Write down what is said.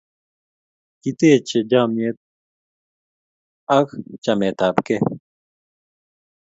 kiteje chamiet ak chamet ab kee